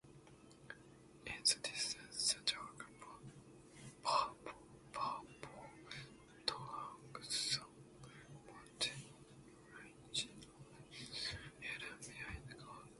In the distance, the dark purple Truong Son Mountain range lies hidden behind clouds.